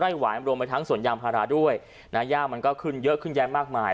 หวานรวมไปทั้งสวนยางพาราด้วยนะย่ามันก็ขึ้นเยอะขึ้นแย้มากมาย